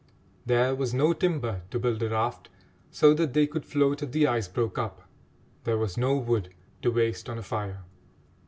There was no timber to build a raft, so that they could float if the ice broke up; there was no wood to waste on a fire.